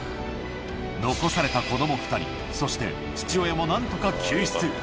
残された子ども２人、そして父親もなんとか救出。